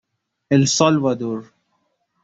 السالوادور